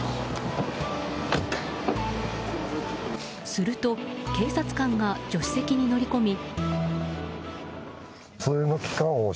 すると警察官が助手席に乗り込み。